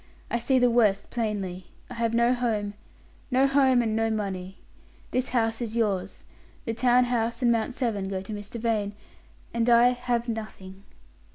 I see the worst plainly. I have no home, no home and no money. This house is yours; the town house and Mount Severn go to Mr. Vane; and I have nothing."